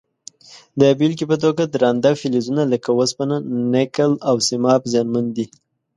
د بیلګې په توګه درانده فلزونه لکه وسپنه، نکل او سیماب زیانمن دي.